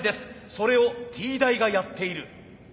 それをＴ大がやっている。